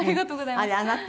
あれあなた？